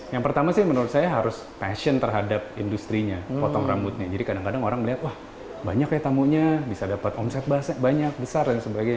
yang pertama sih menurut saya harus passion terhadap industri nya potong rambutnya jadi kadang kadang orang melihat wah banyak ya tamunya bisa dapat omset banyak besar dan sebagainya